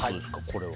これは。